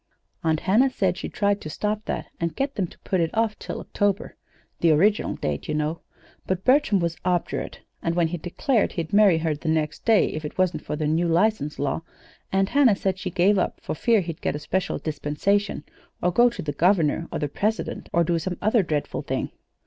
"Aunt Hannah said she tried to stop that, and get them to put it off till October (the original date, you know), but Bertram was obdurate. And when he declared he'd marry her the next day if it wasn't for the new license law, Aunt Hannah said she gave up for fear he'd get a special dispensation, or go to the Governor or the President, or do some other dreadful thing.